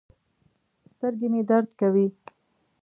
سترګې مې درد کوي